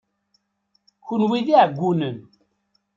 Kenwi d iɛeggunen.